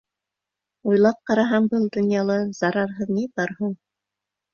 Уйлап ҡараһаң, был донъяла зарарһыҙ ни бар һуң?